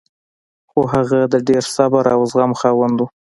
خو هغه د ډېر صبر او زغم خاوند و